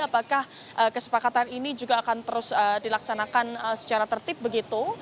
apakah kesepakatan ini juga akan terus dilaksanakan secara tertib begitu